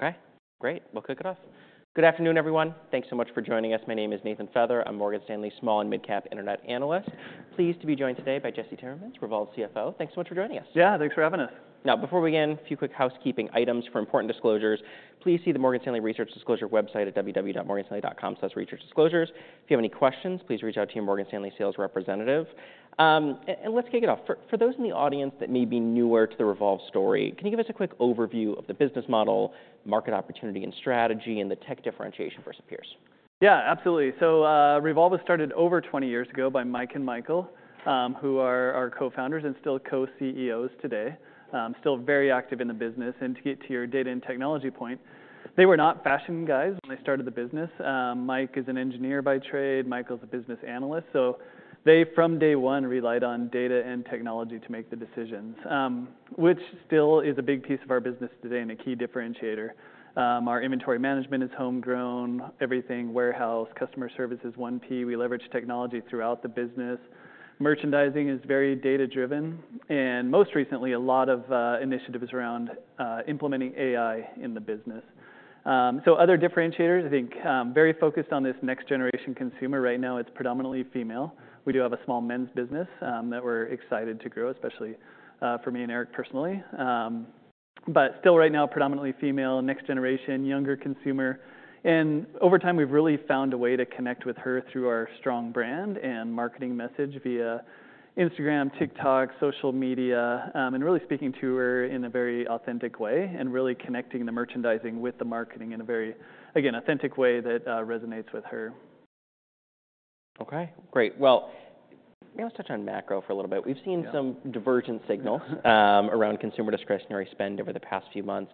Okay. Great. We'll kick it off. Good afternoon, everyone. Thanks so much for joining us. My name is Nathan Feather. I'm Morgan Stanley's small and mid-cap internet analyst. Pleased to be joined today by Jesse Timmermans, Revolve CFO. Thanks so much for joining us. Yeah. Thanks for having us. Now, before we begin, a few quick housekeeping items for important disclosures. Please see the Morgan Stanley Research Disclosure website at www.morganstanley.com/researchdisclosures. If you have any questions, please reach out to your Morgan Stanley sales representative. Let's kick it off. For those in the audience that may be newer to the Revolve story, can you give us a quick overview of the business model, market opportunity and strategy, and the tech differentiation versus peers? Yeah. Absolutely. Revolve was started over 20 years ago by Mike and Michael, who are our co-founders and still co-CEOs today. Still very active in the business. To get to your data and technology point, they were not fashion guys when they started the business. Mike is an engineer by trade. Michael's a business analyst. They, from day one, relied on data and technology to make the decisions, which still is a big piece of our business today and a key differentiator. Our inventory management is homegrown. Everything warehouse, customer service is one piece. We leverage technology throughout the business. Merchandising is very data-driven. Most recently, a lot of initiatives around implementing AI in the business. Other differentiators, I think, very focused on this next-generation consumer. Right now, it's predominantly female. We do have a small men's business that we're excited to grow, especially for me and Erik personally. Still, right now, predominantly female, next-generation, younger consumer. Over time, we've really found a way to connect with her through our strong brand and marketing message via Instagram, TikTok, social media, and really speaking to her in a very authentic way and really connecting the merchandising with the marketing in a very, again, authentic way that resonates with her. Okay. Great. Maybe let's touch on macro for a little bit. We've seen some divergent signals around consumer discretionary spend over the past few months.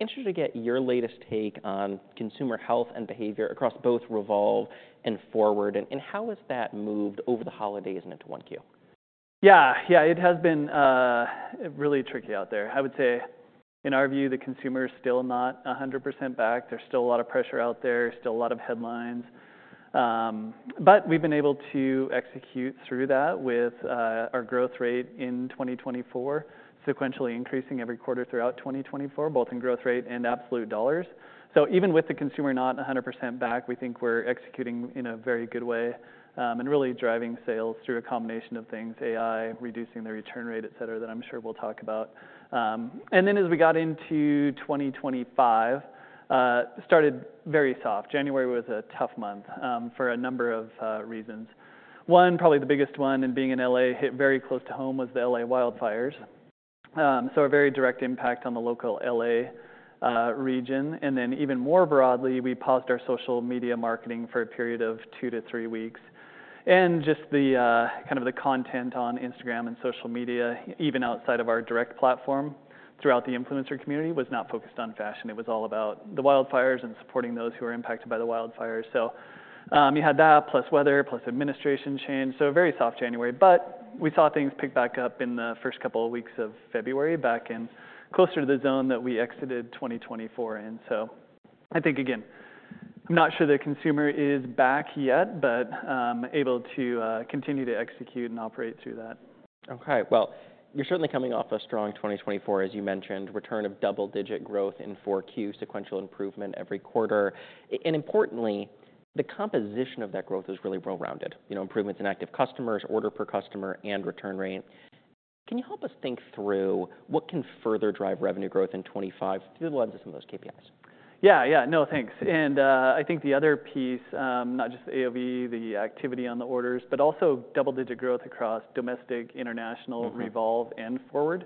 Interested to get your latest take on consumer health and behavior across both Revolve and FRWD, and how has that moved over the holidays and into 1Q? Yeah. Yeah. It has been really tricky out there. I would say, in our view, the consumer is still not 100% back. There's still a lot of pressure out there. There's still a lot of headlines. We have been able to execute through that with our growth rate in 2024, sequentially increasing every quarter throughout 2024, both in growth rate and absolute dollars. Even with the consumer not 100% back, we think we're executing in a very good way and really driving sales through a combination of things: AI, reducing the return rate, et cetera, that I'm sure we'll talk about. As we got into 2025, it started very soft. January was a tough month for a number of reasons. One, probably the biggest one, and being in Los Angeles, hit very close to home was the Los Angeles wildfires. A very direct impact on the local L.A. region. Even more broadly, we paused our social media marketing for a period of two to three weeks. Just kind of the content on Instagram and social media, even outside of our direct platform throughout the influencer community, was not focused on fashion. It was all about the wildfires and supporting those who are impacted by the wildfires. You had that, plus weather, plus administration change. Very soft January. We saw things pick back up in the first couple of weeks of February, back in closer to the zone that we exited 2024 in. I think, again, I'm not sure the consumer is back yet, but able to continue to execute and operate through that. Okay. You're certainly coming off a strong 2024, as you mentioned, return of double-digit growth in 4Q, sequential improvement every quarter. Importantly, the composition of that growth is really well-rounded: improvements in active customers, order per customer, and return rate. Can you help us think through what can further drive revenue growth in 2025 through the lens of some of those KPIs? Yeah. Yeah. No, thanks. I think the other piece, not just the AOV, the activity on the orders, but also double-digit growth across domestic, international, Revolve, and FRWD,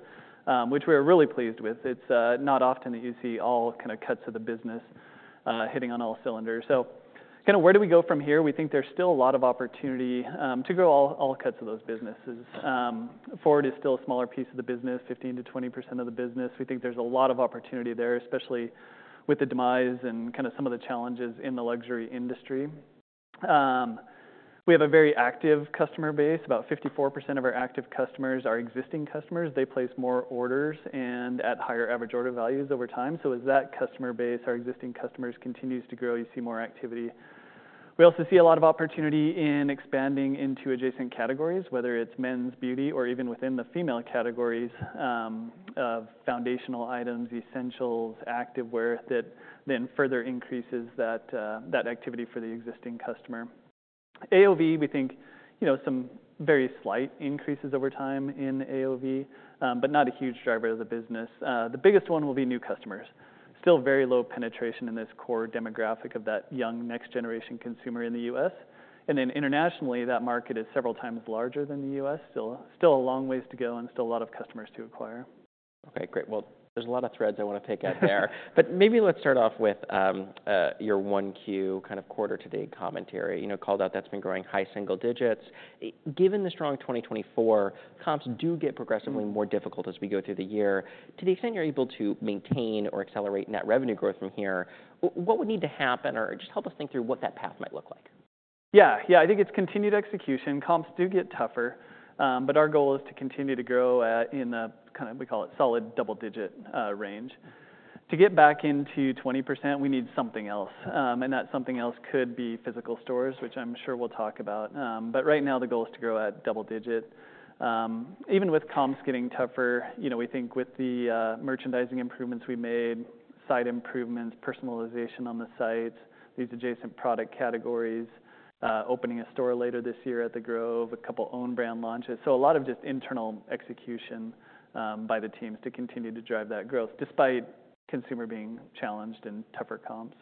which we are really pleased with. It's not often that you see all kind of cuts of the business hitting on all cylinders. Kind of where do we go from here? We think there's still a lot of opportunity to grow all cuts of those businesses. FRWD is still a smaller piece of the business, 15%-20% of the business. We think there's a lot of opportunity there, especially with the demise and kind of some of the challenges in the luxury industry. We have a very active customer base. About 54% of our active customers are existing customers. They place more orders and at higher average order values over time. As that customer base, our existing customers, continues to grow, you see more activity. We also see a lot of opportunity in expanding into adjacent categories, whether it's men's, beauty, or even within the female categories of foundational items, essentials, active wear that then further increases that activity for the existing customer. AOV, we think some very slight increases over time in AOV, but not a huge driver of the business. The biggest one will be new customers. Still very low penetration in this core demographic of that young next-generation consumer in the U.S. Internationally, that market is several times larger than the U.S. Still a long ways to go and still a lot of customers to acquire. Okay. Great. There is a lot of threads I want to pick at there. But maybe let's start off with your 1Q kind of quarter-to-date commentary. You know, it called out that's been growing high single digits. Given the strong 2024, comps do get progressively more difficult as we go through the year. To the extent you're able to maintain or accelerate net revenue growth from here, what would need to happen or just help us think through what that path might look like? Yeah. Yeah. I think it's continued execution. Comps do get tougher. Our goal is to continue to grow in the kind of, we call it, solid double-digit range. To get back into 20%, we need something else. That something else could be physical stores, which I'm sure we'll talk about. Right now, the goal is to grow at double-digit. Even with comps getting tougher, you know, we think with the merchandising improvements we made, site improvements, personalization on the sites, these adjacent product categories, opening a store later this year at The Grove, a couple of own-brand launches. A lot of just internal execution by the teams to continue to drive that growth, despite consumer being challenged in tougher comps.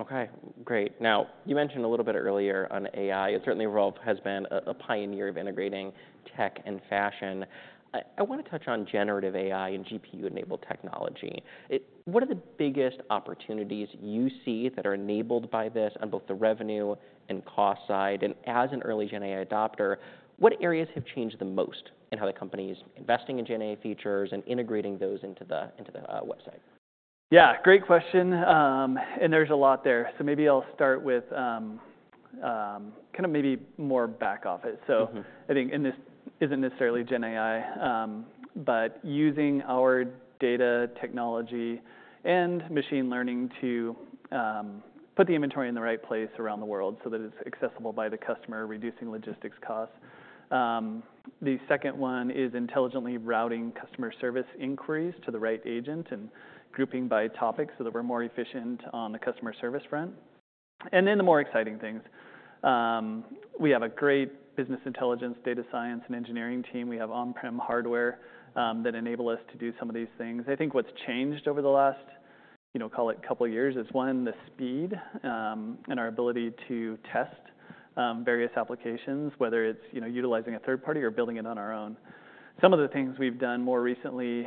Okay. Great. Now, you mentioned a little bit earlier on AI. Certainly, Revolve has been a pioneer of integrating tech and fashion. I want to touch on generative AI and GPU-enabled technology. What are the biggest opportunities you see that are enabled by this on both the revenue and cost side? As an early GenAI adopter, what areas have changed the most in how the company is investing in GenAI features and integrating those into the website? Yeah. Great question. There's a lot there. Maybe I'll start with kind of maybe more back off it. I think, and this isn't necessarily GenAI, but using our data technology and machine learning to put the inventory in the right place around the world so that it's accessible by the customer, reducing logistics costs. The second one is intelligently routing customer service inquiries to the right agent and grouping by topic so that we're more efficient on the customer service front. The more exciting things, we have a great business intelligence, data science, and engineering team. We have on-prem hardware that enables us to do some of these things. I think what's changed over the last, you know, call it a couple of years is, one, the speed and our ability to test various applications, whether it's utilizing a third party or building it on our own. Some of the things we've done more recently,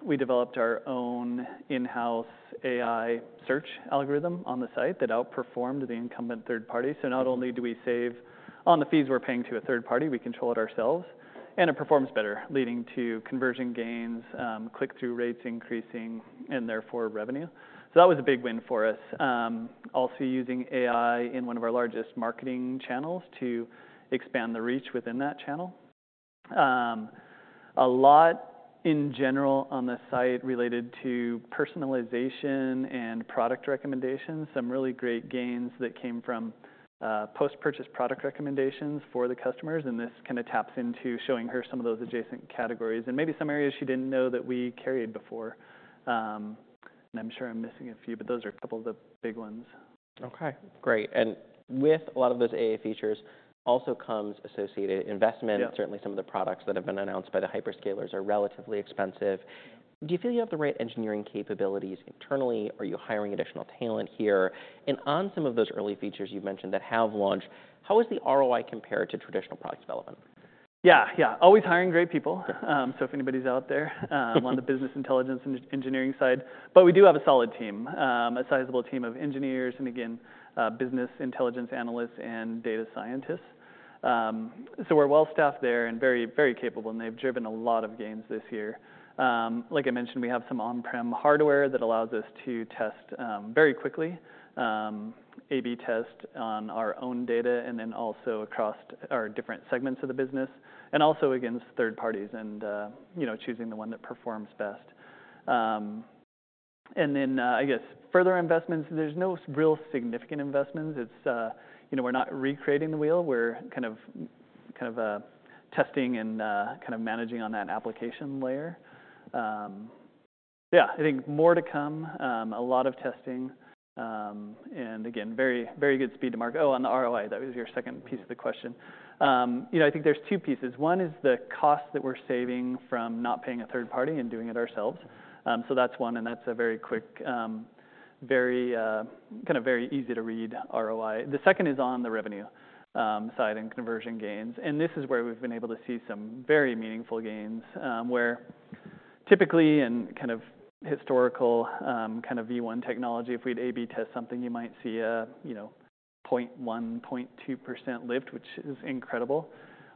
we developed our own in-house AI search algorithm on the site that outperformed the incumbent third party. Not only do we save on the fees we're paying to a third party, we control it ourselves. It performs better, leading to conversion gains, click-through rates increasing, and therefore revenue. That was a big win for us. Also using AI in one of our largest marketing channels to expand the reach within that channel. A lot in general on the site related to personalization and product recommendations, some really great gains that came from post-purchase product recommendations for the customers. This kind of taps into showing her some of those adjacent categories and maybe some areas she did not know that we carried before. I am sure I am missing a few, but those are a couple of the big ones. Okay. Great. With a lot of those AI features also comes associated investment. Certainly, some of the products that have been announced by the hyperscalers are relatively expensive. Do you feel you have the right engineering capabilities internally? Are you hiring additional talent here? On some of those early features you've mentioned that have launched, how is the ROI compared to traditional product development? Yeah. Yeah. Always hiring great people. If anybody's out there on the business intelligence and engineering side. We do have a solid team, a sizable team of engineers and, again, business intelligence analysts and data scientists. We're well-staffed there and very, very capable. They've driven a lot of gains this year. Like I mentioned, we have some on-prem hardware that allows us to test very quickly, A/B test on our own data and also across our different segments of the business and also against third parties and choosing the one that performs best. I guess further investments, there's no real significant investments. We're not recreating the wheel. We're kind of testing and kind of managing on that application layer. Yeah. I think more to come. A lot of testing. Again, very good speed to mark. Oh, on the ROI, that was your second piece of the question. You know, I think there's two pieces. One is the cost that we're saving from not paying a third party and doing it ourselves. So that's one. And that's a very quick, very kind of very easy-to-read ROI. The second is on the revenue side and conversion gains. This is where we've been able to see some very meaningful gains where typically in kind of historical kind of V1 technology, if we'd A/B test something, you might see a 0.1%, 0.2% lift, which is incredible.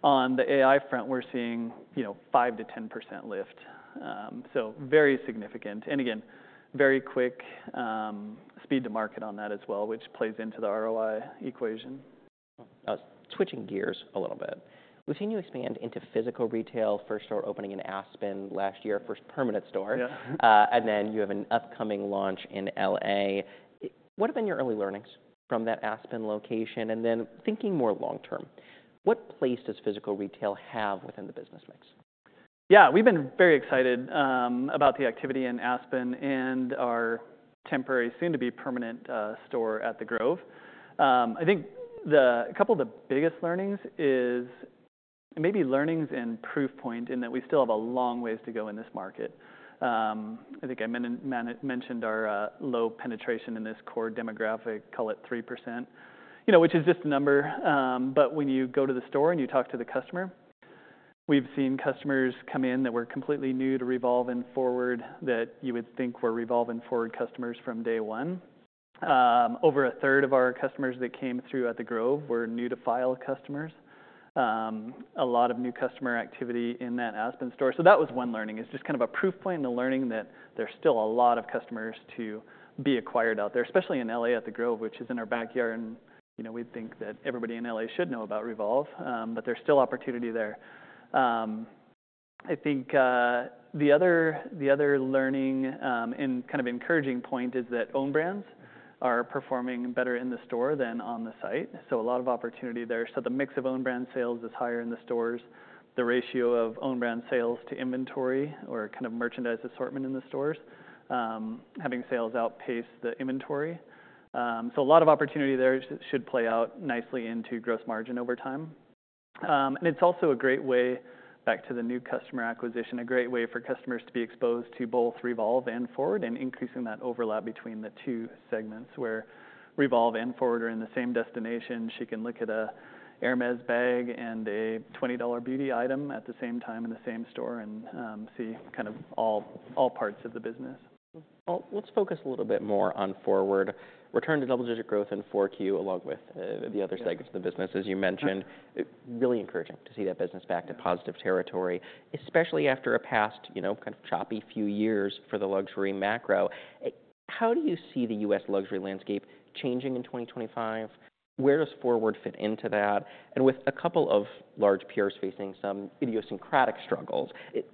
On the AI front, we're seeing 5%-10% lift. Very significant. Again, very quick speed to market on that as well, which plays into the ROI equation. Switching gears a little bit, we've seen you expand into physical retail. First store opening in Aspen last year, first permanent store. You have an upcoming launch in Los Angeles. What have been your early learnings from that Aspen location? Thinking more long-term, what place does physical retail have within the business mix? Yeah. We've been very excited about the activity in Aspen and our temporary, soon-to-be permanent store at The Grove. I think a couple of the biggest learnings is maybe learnings and proof point in that we still have a long ways to go in this market. I think I mentioned our low penetration in this core demographic, call it 3%, which is just a number. But when you go to the store and you talk to the customer, we've seen customers come in that were completely new to Revolve and FRWD that you would think were Revolve and FRWD customers from day one. Over a third of our customers that came through at The Grove were new-to-file customers. A lot of new customer activity in that Aspen store. That was one learning. It's just kind of a proof point in the learning that there's still a lot of customers to be acquired out there, especially in L.A. at The Grove, which is in our backyard. We'd think that everybody in L.A. should know about Revolve, but there's still opportunity there. I think the other learning and kind of encouraging point is that own brands are performing better in the store than on the site. A lot of opportunity there. The mix of own brand sales is higher in the stores. The ratio of own brand sales to inventory or kind of merchandise assortment in the stores, having sales outpace the inventory. A lot of opportunity there should play out nicely into gross margin over time. It's also a great way, back to the new customer acquisition, a great way for customers to be exposed to both Revolve and FRWD and increasing that overlap between the two segments where Revolve and FRWD are in the same destination. She can look at an Hermès bag and a $20 beauty item at the same time in the same store and see kind of all parts of the business. Let's focus a little bit more on FRWD. Return to double-digit growth in 4Q along with the other segments of the business, as you mentioned. Really encouraging to see that business back to positive territory, especially after a past kind of choppy few years for the luxury macro. How do you see the U.S. luxury landscape changing in 2025? Where does FRWD fit into that? With a couple of large peers facing some idiosyncratic struggles,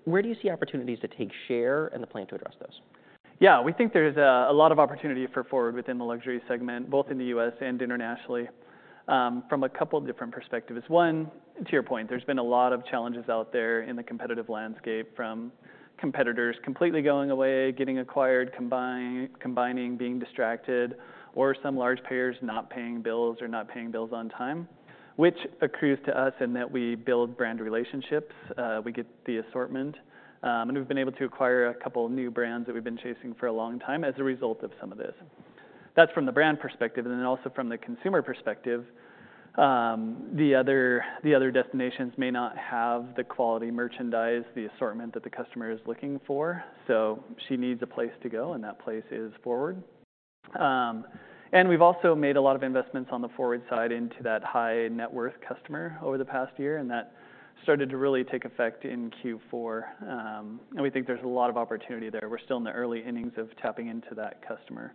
where do you see opportunities to take share and the plan to address those? Yeah. We think there's a lot of opportunity for FRWD within the luxury segment, both in the U.S. and internationally, from a couple of different perspectives. One, to your point, there's been a lot of challenges out there in the competitive landscape from competitors completely going away, getting acquired, combining, being distracted, or some large players not paying bills or not paying bills on time, which accrues to us in that we build brand relationships. We get the assortment. We've been able to acquire a couple of new brands that we've been chasing for a long time as a result of some of this. That's from the brand perspective. Also from the consumer perspective, the other destinations may not have the quality merchandise, the assortment that the customer is looking for. She needs a place to go, and that place is FRWD. We have also made a lot of investments on the FRWD side into that high-net-worth customer over the past year. That started to really take effect in Q4. We think there is a lot of opportunity there. We are still in the early innings of tapping into that customer.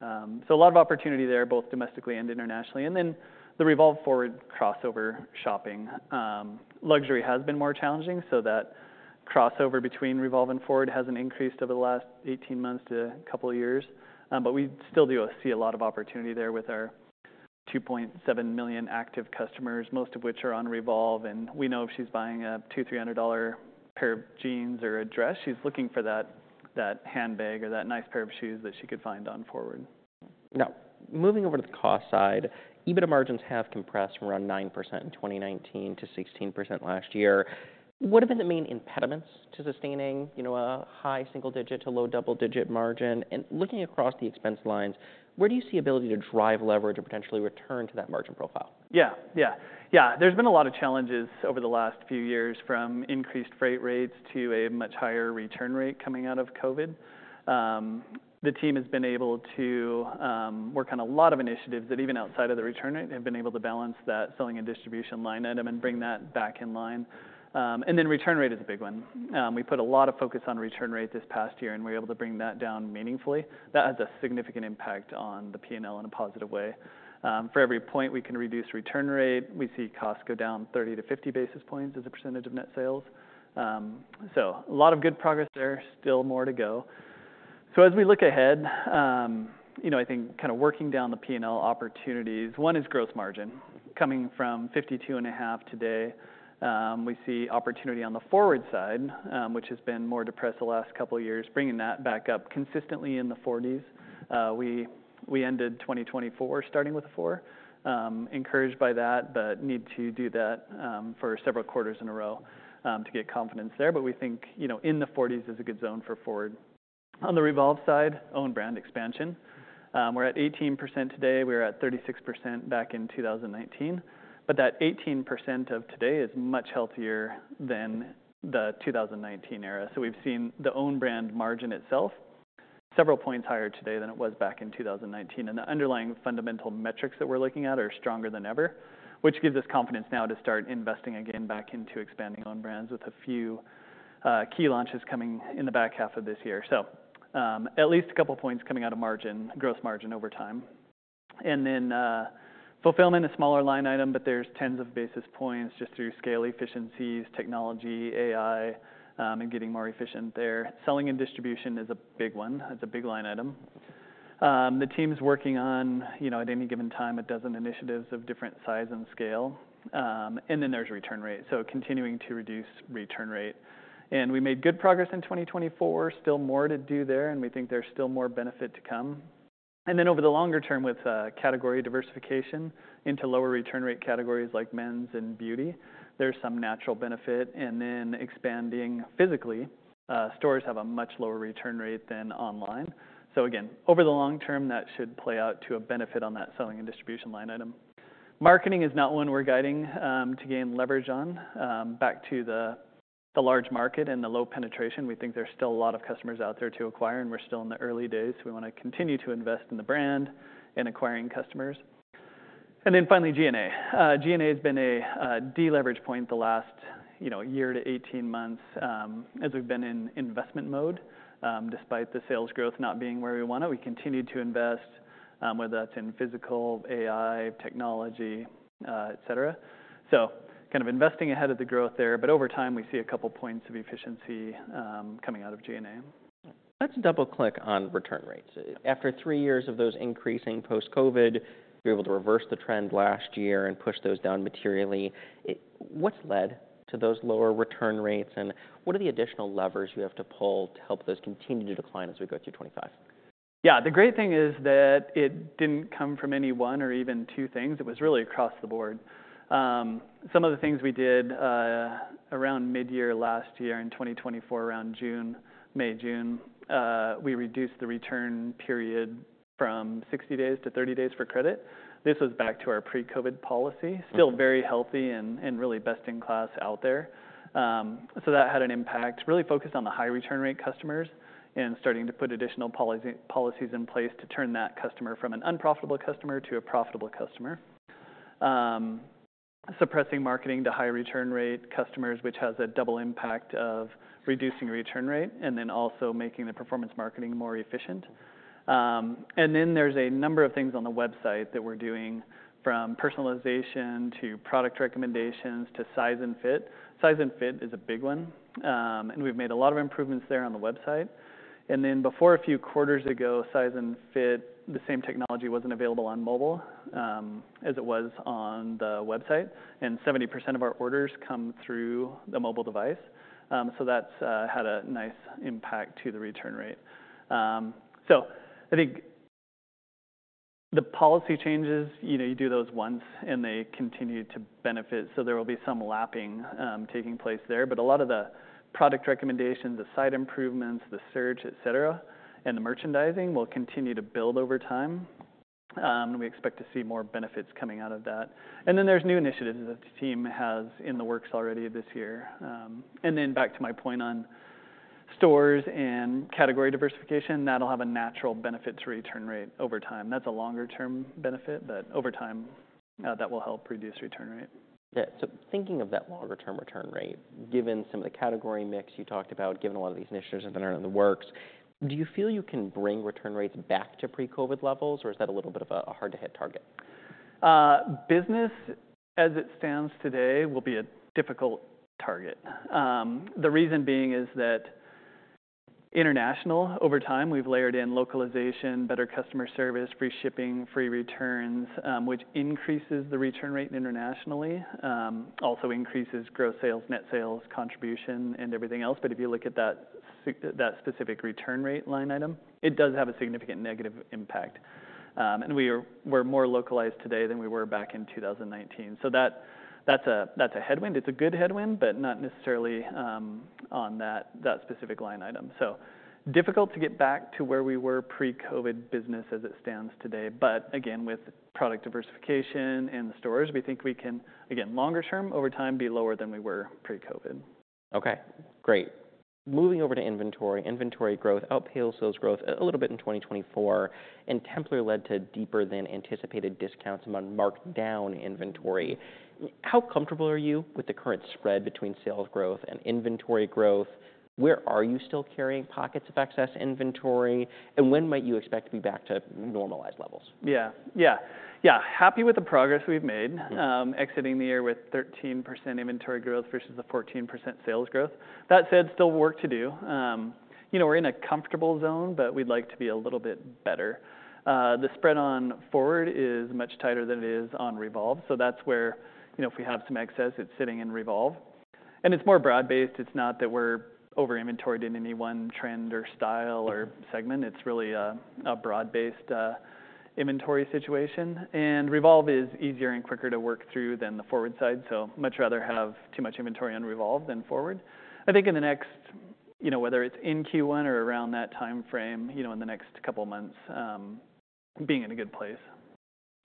There is a lot of opportunity there, both domestically and internationally. The Revolve-FRWD crossover shopping, luxury has been more challenging. That crossover between Revolve and FRWD has not increased over the last 18 months to a couple of years. We still do see a lot of opportunity there with our 2.7 million active customers, most of which are on Revolve. We know if she is buying a $200, $300 pair of jeans or a dress, she is looking for that handbag or that nice pair of shoes that she could find on FRWD. Now, moving over to the cost side, EBITDA margins have compressed from around 9% in 2019 to 16% last year. What have been the main impediments to sustaining a high single-digit to low double-digit margin? Looking across the expense lines, where do you see the ability to drive leverage or potentially return to that margin profile? Yeah. Yeah. Yeah. There's been a lot of challenges over the last few years from increased freight rates to a much higher return rate coming out of COVID. The team has been able to work on a lot of initiatives that even outside of the return rate have been able to balance that selling and distribution line item and bring that back in line. Return rate is a big one. We put a lot of focus on return rate this past year, and we were able to bring that down meaningfully. That has a significant impact on the P&L in a positive way. For every point we can reduce return rate, we see costs go down 30-50 basis points as a percentage of net sales. A lot of good progress there, still more to go. As we look ahead, I think kind of working down the P&L opportunities, one is gross margin coming from 52.5% today. We see opportunity on the FRWD side, which has been more depressed the last couple of years, bringing that back up consistently in the 40s. We ended 2024 starting with a 4, encouraged by that, but need to do that for several quarters in a row to get confidence there. We think in the 40s is a good zone for FRWD. On the Revolve side, own brand expansion. We're at 18% today. We were at 36% back in 2019. That 18% of today is much healthier than the 2019 era. We've seen the own brand margin itself several points higher today than it was back in 2019. The underlying fundamental metrics that we're looking at are stronger than ever, which gives us confidence now to start investing again back into expanding own brands with a few key launches coming in the back half of this year. At least a couple of points coming out of margin, gross margin over time. Fulfillment is a smaller line item, but there's tens of basis points just through scale efficiencies, technology, AI, and getting more efficient there. Selling and distribution is a big one. That's a big line item. The team's working on, at any given time, a dozen initiatives of different size and scale. There's return rate. Continuing to reduce return rate. We made good progress in 2024. Still more to do there, and we think there's still more benefit to come. Over the longer term with category diversification into lower return rate categories like men's and beauty, there is some natural benefit. Expanding physically, stores have a much lower return rate than online. Over the long term, that should play out to a benefit on that selling and distribution line item. Marketing is not one we are guiding to gain leverage on. Back to the large market and the low penetration, we think there are still a lot of customers out there to acquire, and we are still in the early days. We want to continue to invest in the brand and acquiring customers. Finally, G&A has been a deleverage point the last year to 18 months as we have been in investment mode. Despite the sales growth not being where we want it, we continued to invest, whether that is in physical, AI, technology, et cetera. Kind of investing ahead of the growth there. Over time, we see a couple of points of efficiency coming out of G&A. Let's double-click on return rates. After three years of those increasing post-COVID, you were able to reverse the trend last year and push those down materially. What's led to those lower return rates, and what are the additional levers you have to pull to help those continue to decline as we go through 2025? Yeah. The great thing is that it didn't come from any one or even two things. It was really across the board. Some of the things we did around mid-year last year in 2024, around June, May, June, we reduced the return period from 60 days to 30 days for credit. This was back to our pre-COVID policy, still very healthy and really best in class out there. That had an impact, really focused on the high return rate customers and starting to put additional policies in place to turn that customer from an unprofitable customer to a profitable customer. Suppressing marketing to high return rate customers, which has a double impact of reducing return rate and also making the performance marketing more efficient. There are a number of things on the website that we're doing from personalization to product recommendations to size and fit. Size and fit is a big one. We have made a lot of improvements there on the website. Before a few quarters ago, size and fit, the same technology was not available on mobile as it was on the website. Seventy percent of our orders come through the mobile device. That has had a nice impact to the return rate. I think the policy changes, you do those once, and they continue to benefit. There will be some lapping taking place there. A lot of the product recommendations, the site improvements, the search, et cetera, and the merchandising will continue to build over time. We expect to see more benefits coming out of that. There are new initiatives that the team has in the works already this year. Back to my point on stores and category diversification, that'll have a natural benefit to return rate over time. That's a longer-term benefit, but over time, that will help reduce return rate. Yeah. Thinking of that longer-term return rate, given some of the category mix you talked about, given a lot of these initiatives that are in the works, do you feel you can bring return rates back to pre-COVID levels, or is that a little bit of a hard-to-hit target? Business as it stands today will be a difficult target. The reason being is that international, over time, we've layered in localization, better customer service, free shipping, free returns, which increases the return rate internationally, also increases gross sales, net sales, contribution, and everything else. If you look at that specific return rate line item, it does have a significant negative impact. We are more localized today than we were back in 2019. That is a headwind. It is a good headwind, but not necessarily on that specific line item. It is difficult to get back to where we were pre-COVID business as it stands today. Again, with product diversification and the stores, we think we can, again, longer-term over time, be lower than we were pre-COVID. Okay. Great. Moving over to inventory. Inventory growth outpaced sales growth a little bit in 2024, and Templer led to deeper-than-anticipated discounts among marked-down inventory. How comfortable are you with the current spread between sales growth and inventory growth? Where are you still carrying pockets of excess inventory, and when might you expect to be back to normalized levels? Yeah. Yeah. Yeah. Happy with the progress we've made, exiting the year with 13% inventory growth versus the 14% sales growth. That said, still work to do. We're in a comfortable zone, but we'd like to be a little bit better. The spread on FRWD is much tighter than it is on Revolve. That's where if we have some excess, it's sitting in Revolve. It's more broad-based. It's not that we're over-inventoried in any one trend or style or segment. It's really a broad-based inventory situation. Revolve is easier and quicker to work through than the FRWD side. Much rather have too much inventory on Revolve than FRWD. I think in the next, whether it's in Q1 or around that time frame in the next couple of months, being in a good place.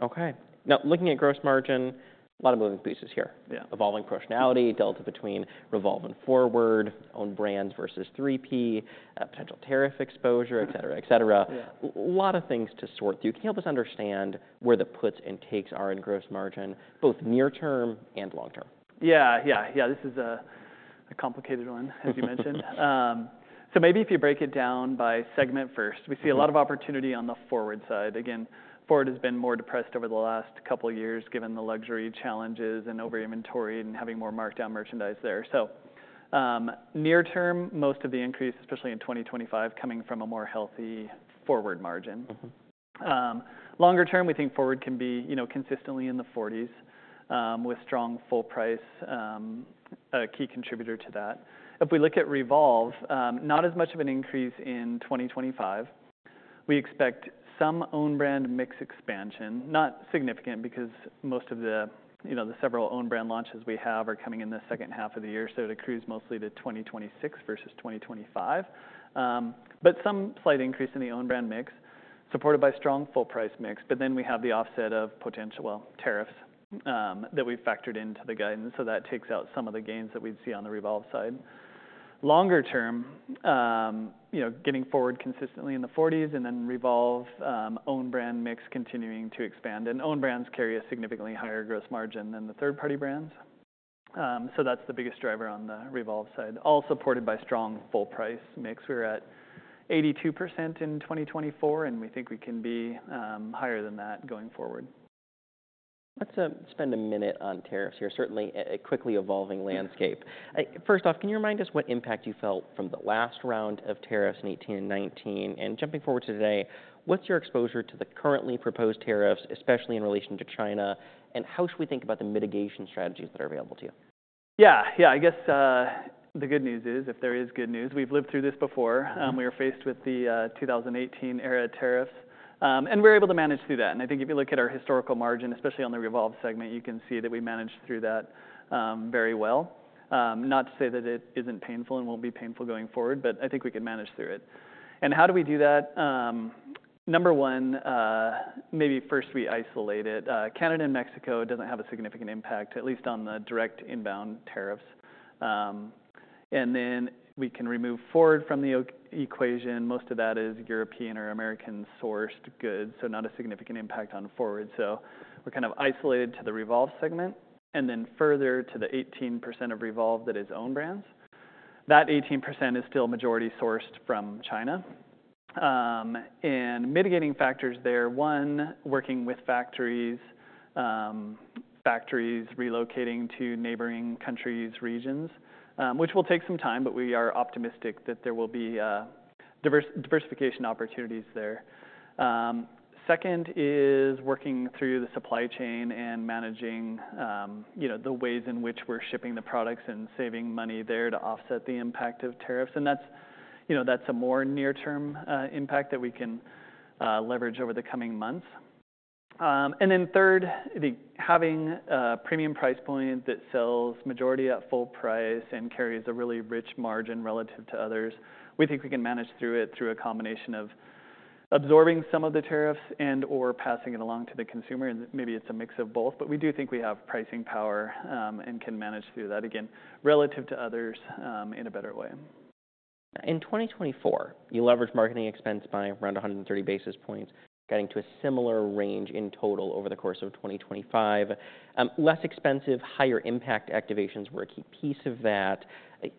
Okay. Now, looking at gross margin, a lot of moving pieces here. Evolving personality, delta between Revolve and FRWD, own brands versus 3P, potential tariff exposure, et cetera, et cetera. A lot of things to sort through. Can you help us understand where the puts and takes are in gross margin, both near-term and long-term? Yeah. Yeah. Yeah. This is a complicated one, as you mentioned. Maybe if you break it down by segment first, we see a lot of opportunity on the FRWD side. Again, FRWD has been more depressed over the last couple of years given the luxury challenges and over-inventory and having more marked-down merchandise there. Near-term, most of the increase, especially in 2025, coming from a more healthy FRWD margin. Longer-term, we think FRWD can be consistently in the 40s with strong full price, a key contributor to that. If we look at Revolve, not as much of an increase in 2025. We expect some own brand mix expansion, not significant because most of the several own brand launches we have are coming in the second half of the year. It accrues mostly to 2026 versus 2025. Some slight increase in the own brand mix supported by strong full price mix. We have the offset of potential tariffs that we've factored into the guidance. That takes out some of the gains that we'd see on the Revolve side. Longer-term, getting FRWD consistently in the 40s and then Revolve own brand mix continuing to expand. Own brands carry a significantly higher gross margin than the third-party brands. That's the biggest driver on the Revolve side, all supported by strong full price mix. We were at 82% in 2024, and we think we can be higher than that going forward. Let's spend a minute on tariffs here. Certainly a quickly evolving landscape. First off, can you remind us what impact you felt from the last round of tariffs in 2018 and 2019? Jumping forward to today, what's your exposure to the currently proposed tariffs, especially in relation to China? How should we think about the mitigation strategies that are available to you? Yeah. Yeah. I guess the good news is, if there is good news, we've lived through this before. We were faced with the 2018-era tariffs, and we were able to manage through that. I think if you look at our historical margin, especially on the Revolve segment, you can see that we managed through that very well. Not to say that it isn't painful and won't be painful going forward, but I think we can manage through it. How do we do that? Number one, maybe first we isolate it. Canada and Mexico do not have a significant impact, at least on the direct inbound tariffs. We can remove FRWD from the equation. Most of that is European or American-sourced goods, so not a significant impact on FRWD. We're kind of isolated to the Revolve segment and then further to the 18% of Revolve that is own brands. That 18% is still majority sourced from China. Mitigating factors there, one, working with factories, factories relocating to neighboring countries, regions, which will take some time, but we are optimistic that there will be diversification opportunities there. Second is working through the supply chain and managing the ways in which we're shipping the products and saving money there to offset the impact of tariffs. That's a more near-term impact that we can leverage over the coming months. Third, having a premium price point that sells majority at full price and carries a really rich margin relative to others, we think we can manage through it through a combination of absorbing some of the tariffs and/or passing it along to the consumer. Maybe it's a mix of both, but we do think we have pricing power and can manage through that again relative to others in a better way. In 2024, you leveraged marketing expense by around 130 basis points, getting to a similar range in total over the course of 2025. Less expensive, higher impact activations were a key piece of that.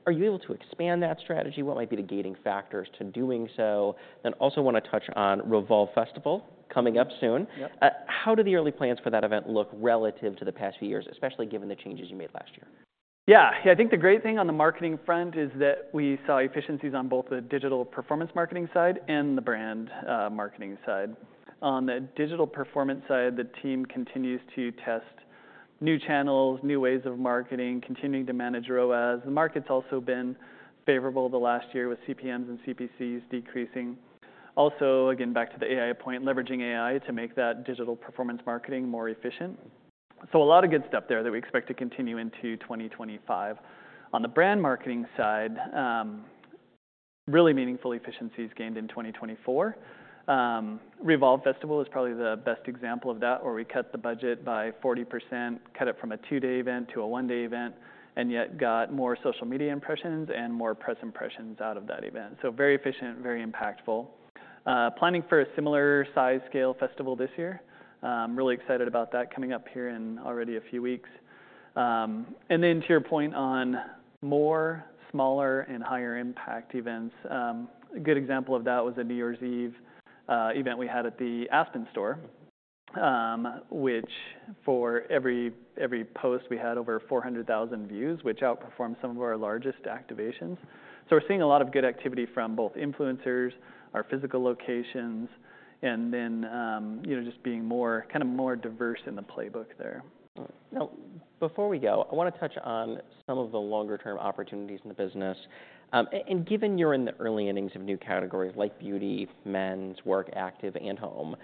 Are you able to expand that strategy? What might be the gating factors to doing so? I also want to touch on Revolve Festival coming up soon. How do the early plans for that event look relative to the past few years, especially given the changes you made last year? Yeah. Yeah. I think the great thing on the marketing front is that we saw efficiencies on both the digital performance marketing side and the brand marketing side. On the digital performance side, the team continues to test new channels, new ways of marketing, continuing to manage ROAS. The market's also been favorable the last year with CPMs and CPCs decreasing. Also, again, back to the AI point, leveraging AI to make that digital performance marketing more efficient. A lot of good stuff there that we expect to continue into 2025. On the brand marketing side, really meaningful efficiencies gained in 2024. Revolve Festival is probably the best example of that, where we cut the budget by 40%, cut it from a two-day event to a one-day event, and yet got more social media impressions and more press impressions out of that event. Very efficient, very impactful. Planning for a similar size scale festival this year. Really excited about that coming up here in already a few weeks. To your point on more smaller and higher impact events, a good example of that was a New Year's Eve event we had at the Aspen store, which for every post we had over 400,000 views, which outperformed some of our largest activations. We are seeing a lot of good activity from both influencers, our physical locations, and then just being kind of more diverse in the playbook there. Now, before we go, I want to touch on some of the longer-term opportunities in the business. Given you're in the early innings of new categories like beauty, men's, work, active, and home,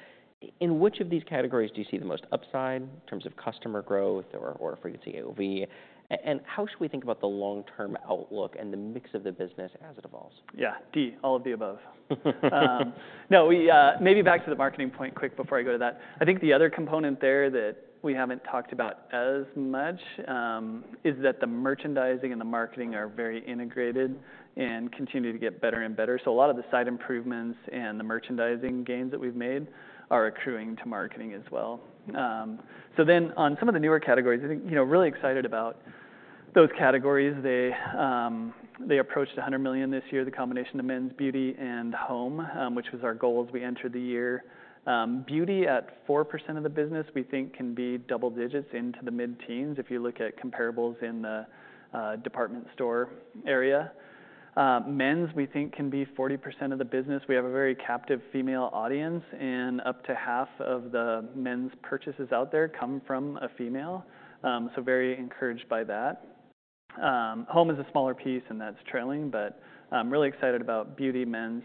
in which of these categories do you see the most upside in terms of customer growth or frequency AOV? How should we think about the long-term outlook and the mix of the business as it evolves? Yeah. D, all of the above. No, maybe back to the marketing point quick before I go to that. I think the other component there that we haven't talked about as much is that the merchandising and the marketing are very integrated and continue to get better and better. A lot of the site improvements and the merchandising gains that we've made are accruing to marketing as well. On some of the newer categories, I think really excited about those categories. They approached $100 million this year, the combination of men's, beauty, and home, which was our goal as we entered the year. Beauty at 4% of the business, we think can be double digits into the mid-teens if you look at comparables in the department store area. Men's, we think can be 40% of the business. We have a very captive female audience, and up to half of the men's purchases out there come from a female. Very encouraged by that. Home is a smaller piece, and that's trailing, but really excited about beauty, men's.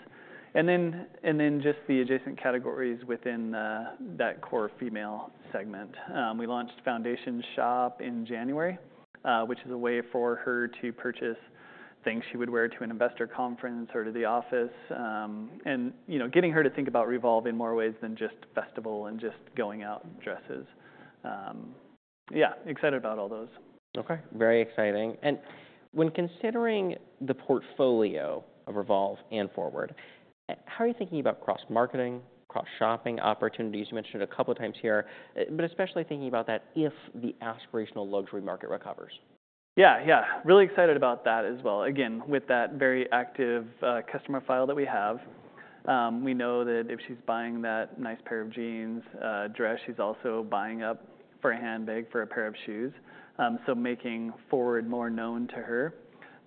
Just the adjacent categories within that core female segment. We launched Foundation Shop in January, which is a way for her to purchase things she would wear to an investor conference or to the office, and getting her to think about Revolve in more ways than just festival and just going out dresses. Yeah, excited about all those. Okay. Very exciting. When considering the portfolio of Revolve and FRWD, how are you thinking about cross-marketing, cross-shopping opportunities? You mentioned it a couple of times here, but especially thinking about that if the aspirational luxury market recovers. Yeah. Yeah. Really excited about that as well. Again, with that very active customer file that we have, we know that if she's buying that nice pair of jeans, dress, she's also buying up for a handbag for a pair of shoes. Making FRWD more known to her.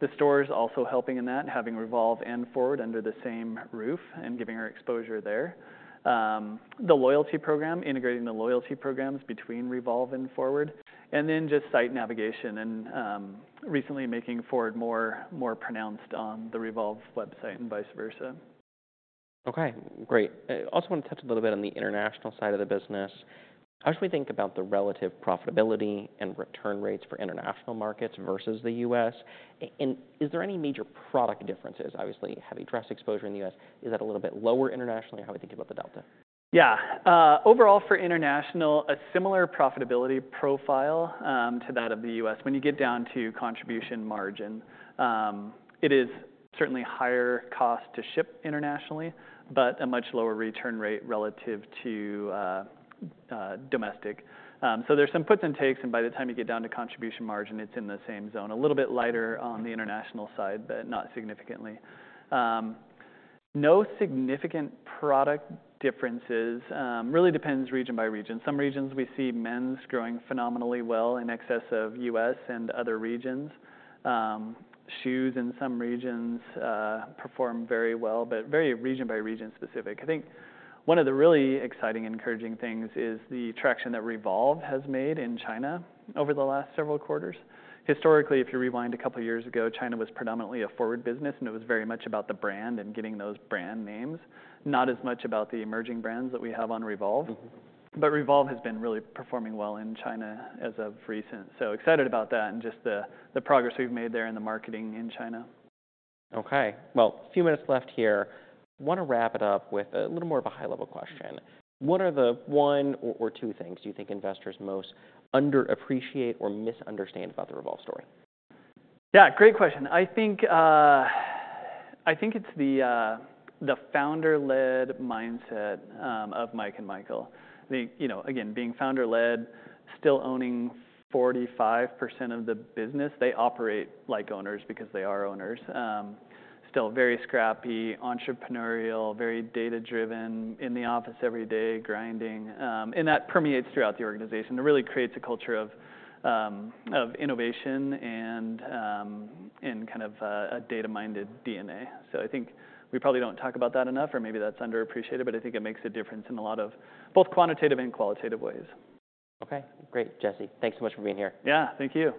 The stores also helping in that, having Revolve and FRWD under the same roof and giving her exposure there. The loyalty program, integrating the loyalty programs between Revolve and FRWD. Then just site navigation and recently making FRWD more pronounced on the Revolve website and vice versa. Okay. Great. I also want to touch a little bit on the international side of the business. How should we think about the relative profitability and return rates for international markets versus the U.S.? Is there any major product differences? Obviously, heavy dress exposure in the U.S. Is that a little bit lower internationally? How do we think about the delta? Yeah. Overall for international, a similar profitability profile to that of the U.S. When you get down to contribution margin, it is certainly higher cost to ship internationally, but a much lower return rate relative to domestic. There are some puts and takes, and by the time you get down to contribution margin, it's in the same zone. A little bit lighter on the international side, but not significantly. No significant product differences. Really depends region by region. Some regions we see men's growing phenomenally well in excess of U.S. and other regions. Shoes in some regions perform very well, but very region by region specific. I think one of the really exciting, encouraging things is the traction that Revolve has made in China over the last several quarters. Historically, if you rewind a couple of years ago, China was predominantly a FRWD business, and it was very much about the brand and getting those brand names, not as much about the emerging brands that we have on Revolve. Revolve has been really performing well in China as of recent. Excited about that and just the progress we've made there in the marketing in China. Okay. A few minutes left here. I want to wrap it up with a little more of a high-level question. What are the one or two things you think investors most underappreciate or misunderstand about the Revolve story? Yeah. Great question. I think it's the founder-led mindset of Mike and Michael. Again, being founder-led, still owning 45% of the business. They operate like owners because they are owners. Still very scrappy, entrepreneurial, very data-driven, in the office every day, grinding. That permeates throughout the organization. It really creates a culture of innovation and kind of a data-minded DNA. I think we probably don't talk about that enough, or maybe that's underappreciated, but I think it makes a difference in a lot of both quantitative and qualitative ways. Okay. Great, Jesse. Thanks so much for being here. Yeah. Thank you.